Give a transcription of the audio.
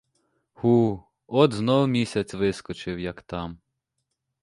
Ху, от знову місяць вискочив, як там.